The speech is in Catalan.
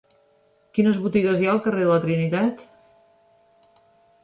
Quines botigues hi ha al carrer de la Trinitat?